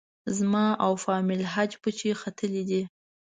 زما او فامیل حج پچې ختلې دي.